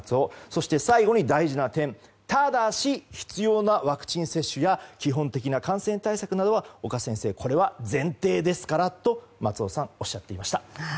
そして最後に大事な点ただし、必要なワクチン接種や基本的な感染対策は岡先生、これは前提ですからとおっしゃっていました。